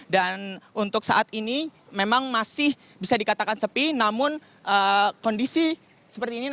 dan untuk saat ini memang masih bisa dikatakan sepi namun kondisi seperti ini nantinya